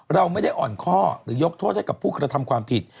เราไม่ได้อ่อนข้อหรือยกโทษให้กับผู้กระทำความผิด